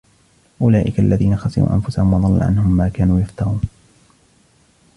أُولَئِكَ الَّذِينَ خَسِرُوا أَنْفُسَهُمْ وَضَلَّ عَنْهُمْ مَا كَانُوا يَفْتَرُونَ